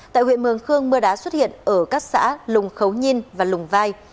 tại huyện mường khương mưa đá xuất hiện ở các xã lùng khấu nhin và lùng vai